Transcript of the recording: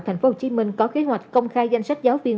tp hcm có kế hoạch công khai danh sách giáo viên